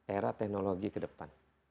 era teknologi ke depan